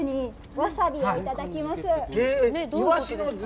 ワサビをいただきます。